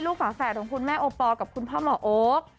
ฝาแฝดของคุณแม่โอปอลกับคุณพ่อหมอโอ๊ค